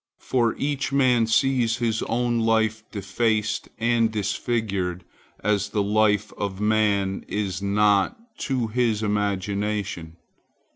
For each man sees his own life defaced and disfigured, as the life of man is not, to his imagination.